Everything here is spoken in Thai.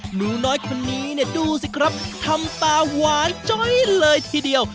หนูน้อยคนนี้เนี่ยดูสิครับทำตาหวานจ้อยเลยทีเดียว